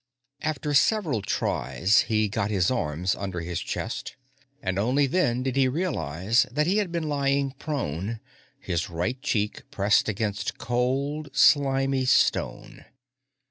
After several tries, he got his arms under his chest, and only then did he realize that he had been lying prone, his right cheek pressed against cold, slimy stone.